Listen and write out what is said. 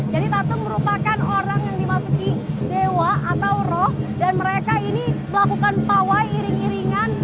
jadi tatung merupakan orang yang dimasuki dewa atau roh dan mereka ini melakukan pawai iring iringan